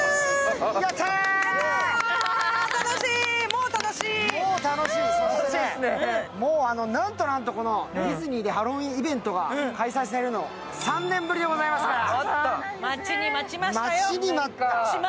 もう楽しい、なんとなんとこのディズニーでハロウィーンイベント開催されるの、３年ぶりでございますから。